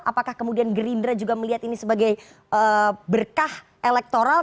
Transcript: apakah kemudian gerindra juga melihat ini sebagai berkah elektoral